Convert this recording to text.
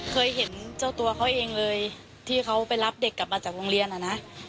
เคยเห็นเจ้าตัวเขาเองเลยที่เขาไปรับเด็กกลับมาจากโรงเรียนอ่ะนะ